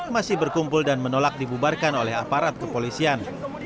masih berkumpul dan menolak dibubarkan oleh aparat kepolisian